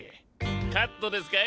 カットですかい？